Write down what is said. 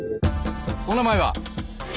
お名前は？